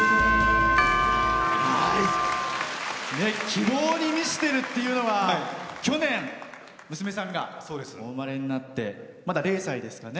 希望に満ちてるっていうのは去年、娘さんがお生まれになってまだ０歳ですかね。